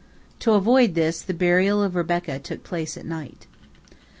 To avoid this, the burial of Rebekah took place at night.